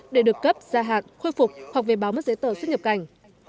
để được cấp gia hạn khôi phục hoặc về báo mất giấy tờ xuất nhập cảnh